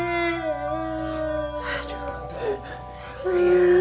guntur mau pulang